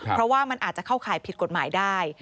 เพราะว่ามันอาจจะเข้าข่ายผิดกฎหมายได้